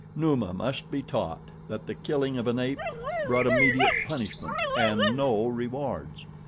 Numa must be taught that the killing of an ape brought immediate punishment and no rewards.